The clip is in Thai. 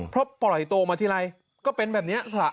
เพราะปล่อยโตมาทีไรก็เป็นแบบนี้สิล่ะ